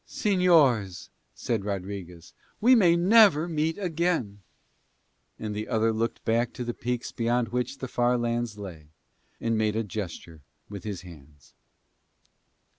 "Señors," said Rodriguez, "we may never meet again!" And the other looked back to the peaks beyond which the far lands lay, and made a gesture with his hands.